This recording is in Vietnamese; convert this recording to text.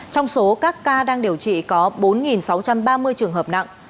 trong số các ca đang điều trị có bốn sáu trăm ba mươi trường hợp nặng